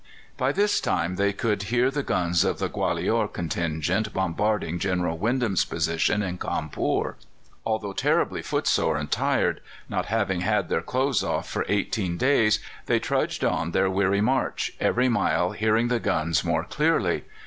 By this time they could hear the guns of the Gwalior contingent bombarding General Wyndham's position in Cawnpore. Although terribly footsore and tired, not having had their clothes off for eighteen days, they trudged on their weary march, every mile hearing the guns more clearly.